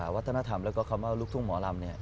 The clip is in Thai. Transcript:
วัฒนธรรมแล้วก็คำว่าลูกทุ่งหมอลำ